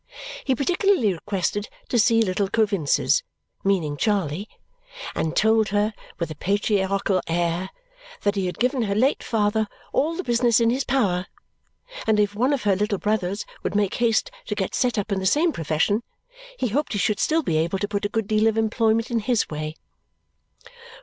He particularly requested to see little Coavinses (meaning Charley) and told her, with a patriarchal air, that he had given her late father all the business in his power and that if one of her little brothers would make haste to get set up in the same profession, he hoped he should still be able to put a good deal of employment in his way.